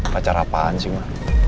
pacar apaan sih ma